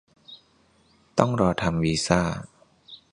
ต้องรอทำวีซ่า